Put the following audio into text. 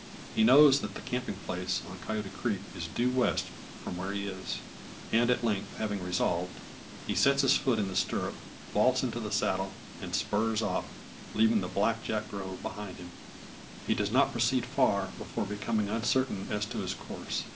He knows that the camping place on Coyote Creek is due west from where he is. And at length, having resolved, he sets his foot in the stirrup, vaults into the saddle, and spurs off, leaving the black jack grove behind him. He does not proceed far, before becoming uncertain as to his course.